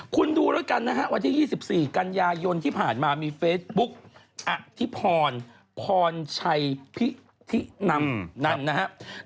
คุณดูแล้วกันนะฮะวันที่๒๔กันยายนที่ผ่านมามีเฟซบุ๊กอธิพรพรชัยพิธินำนั้นนะครับ